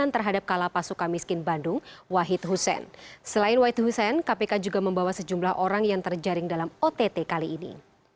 selain wahid hussein kpk juga membawa sejumlah orang yang terjaring dalam ott kali ini